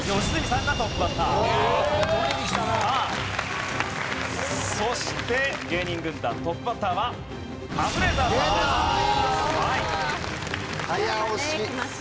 さあそして芸人軍団トップバッターはカズレーザーさんです。